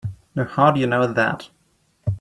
Now how'd you know that?